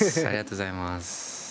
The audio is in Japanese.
ありがとうございます。